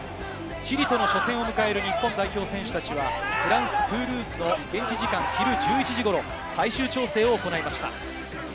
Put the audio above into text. チリとの初戦を迎える日本代表選手たちはフランス・トゥールーズの現地時間、昼１２時ごろ最終調整を行いました。